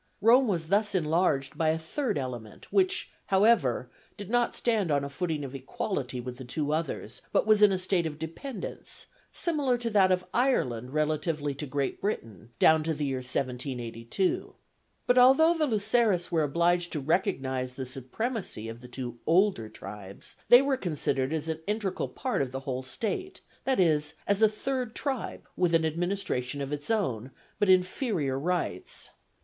Rome was thus enlarged by a third element, which, however, did not stand on a footing of equality with the two others, but was in a state of dependence similar to that of Ireland relatively to Great Britain down to the year 1782. But although the Luceres were obliged to recognize the supremacy of the two older tribes, they were considered as an integral part of the whole state, that is, as a third tribe with an administration of its own, but inferior rights.